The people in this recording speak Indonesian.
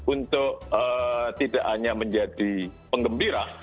untuk tidak hanya menjadi penggembira